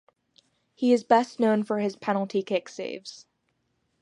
He is best known for his penalty kick saves.